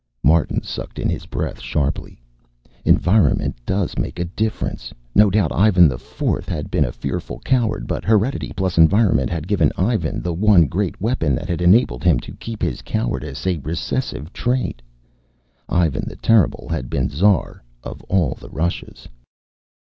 Martin sucked in his breath sharply. Environment does make a difference. No doubt Ivan IV had been a fearful coward, but heredity plus environment had given Ivan the one great weapon that had enabled him to keep his cowardice a recessive trait. Ivan the Terrible had been Tsar of all the Russias.